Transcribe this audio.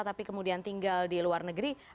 tapi kemudian tinggal di luar negeri